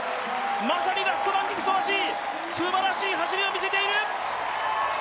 まさにラストランにふさわしいすばらしい走りを見せている！